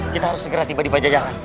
kita harus segera tiba di paja jalan